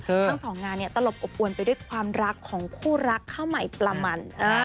ทั้งสองงานเนี่ยตลบอบอวนไปด้วยความรักของคู่รักข้าวใหม่ปลามัน